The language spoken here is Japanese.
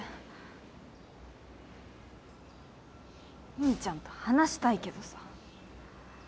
兄ちゃんと話したいけどさ。